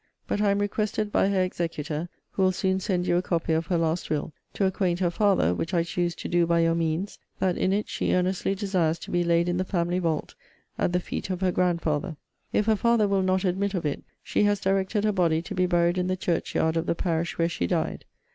But I am requested by her executor, who will soon send you a copy of her last will, to acquaint her father (which I choose to do by your means,) that in it she earnestly desires to be laid in the family vault, at the feet of her grandfather. If her father will not admit of it, she has directed her body to be buried in the church yard of the parish where she died.